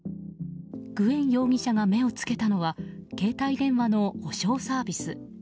グエン容疑者が目を付けたのは携帯電話の補償サービス。